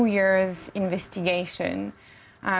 ini adalah hasil penelitian selama dua tahun